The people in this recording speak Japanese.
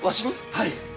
はい！